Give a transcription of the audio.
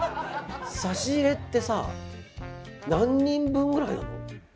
差し入れってさ何人分ぐらいなの？